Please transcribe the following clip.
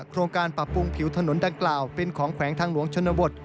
โครงการปรับปรุงผิวถนนดังกล่าวเป็นของแขวงทางหลวงชนบท